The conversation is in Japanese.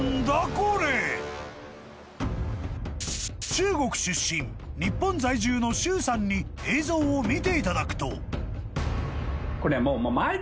［中国出身日本在住の周さんに映像を見ていただくと］